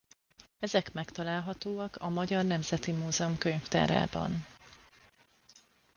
Ezek megtalálhatóak a Magyar Nemzeti Múzeum könyvtárában.